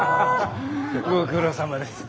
ご苦労さまです。